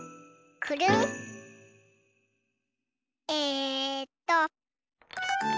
えっと。